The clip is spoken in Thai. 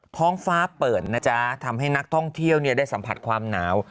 ท้องฟ้าเปิดนะจ๊ะทำให้นักท่องเที่ยวได้สัมผัสความหนาว